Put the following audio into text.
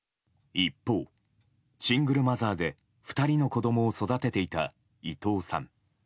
一方、シングルマザーで２人の子供を育てていた伊藤さん。